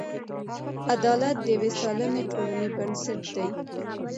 عدالت د یوې سالمې ټولنې بنسټ دی.